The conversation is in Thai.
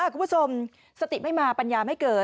คุณผู้ชมสติไม่มาปัญญาไม่เกิด